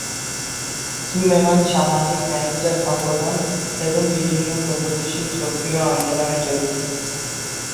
সুলেমান সামাজিক ন্যায়বিচার সংগঠন এবং বিভিন্ন প্রগতিশীল সক্রিয় আন্দোলনে জড়িত।